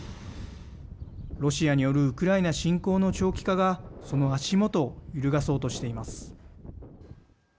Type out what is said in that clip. ロシアによるウクライナ侵攻の長期化がその足元を揺るがそうとしています。